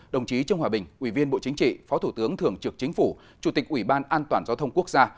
đồng chí trương hòa bình ủy viên bộ chính trị phó thủ tướng thường trực chính phủ chủ tịch ủy ban an toàn giao thông quốc gia